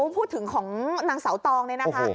พูดถึงของนางสาวตองนี่นะ